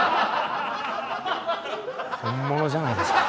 本物じゃないですか